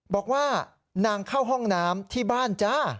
บอกว่านางเข้าห้องน้ำที่บ้านจ้า